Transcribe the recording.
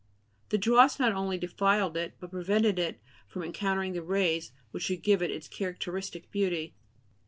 The dross not only defiled it, but prevented it from encountering the rays which should give it its characteristic beauty.